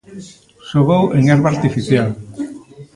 Xogou en herba artificial.